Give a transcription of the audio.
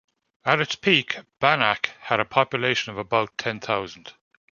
At its peak, Bannack had a population of about ten thousand.